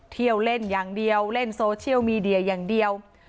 เที่ยวเล่นอย่างเดียวเล่นโซเชียลมีเดียอย่างเดียว